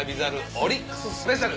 オリックススペシャル